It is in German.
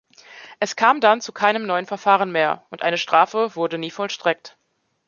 Es kam dann zu keinem neuen Verfahren mehr, und eine Strafe wurde nie vollstreckt.